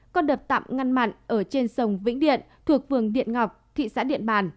còn đợt tạm ngăn mặn ở trên sông vĩnh điện thuộc vườn điện ngọc thị xã điện bàn